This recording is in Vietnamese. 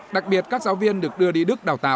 đặc biệt các giáo viên được đưa đi đức